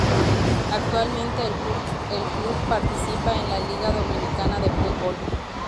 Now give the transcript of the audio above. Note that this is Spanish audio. Actualmente el club Participa en la Liga Dominicana de Fútbol.